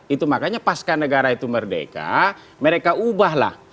itu makanya pas kan negara itu merdeka mereka ubahlah